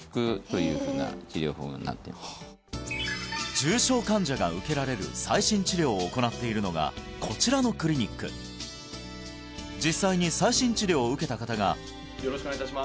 重症患者が受けられる最新治療を行っているのがこちらのクリニック実際に最新治療を受けた方がよろしくお願いいたします